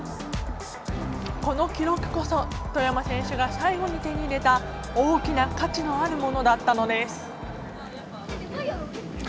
この記録こそ外山選手が最後に手に入れた大きな価値のあるものだったのです。